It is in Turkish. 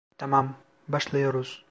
Tamam, başlıyoruz.